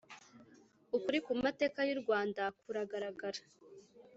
ukuri ku mateka y ‘u Rwanda kuragaragara.